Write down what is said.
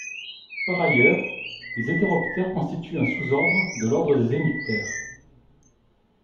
Par ailleurs, les Hétéroptères constituent un sous-ordre de l'ordre des hémiptères.